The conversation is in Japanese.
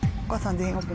「全員オープン」